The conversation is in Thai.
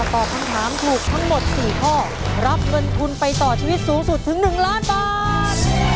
ตอบคำถามถูกทั้งหมด๔ข้อรับเงินทุนไปต่อชีวิตสูงสุดถึง๑ล้านบาท